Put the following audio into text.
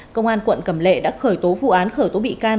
công an quận cầm lệ đã khởi tố vụ án khởi tố bị can